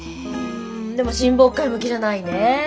うんでも親睦会向きじゃないねえ。